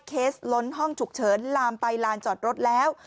เคสล้นห้องฉุกเฉินลามไปลานจอดรถแล้ว